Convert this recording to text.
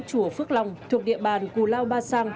chùa phước long thuộc địa bàn cù lao ba sang